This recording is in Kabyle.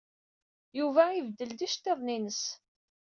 Yuba ibeddel-d iceḍḍiḍen-nnes.